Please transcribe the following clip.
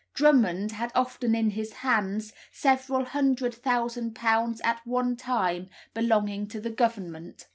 Drummond had often in his hands several hundred thousand pounds at one time belonging to the Government."